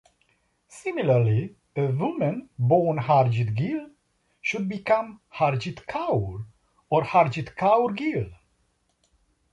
Similarly, a woman born Harjeet Gill should become Harjeet Kaur or Harjeet Kaur Gill.